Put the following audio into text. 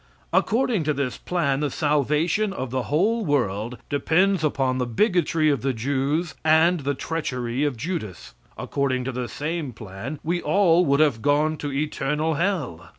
According to this plan, the salvation of the whole world depends upon the bigotry of the Jews and the treachery of Judas. According to the same plan, we all would have gone to eternal hell.